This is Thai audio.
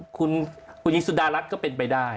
คุณหญิงสุดารัฐก็เป็นไปได้